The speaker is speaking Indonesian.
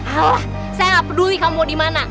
alah saya gak peduli kamu mau dimana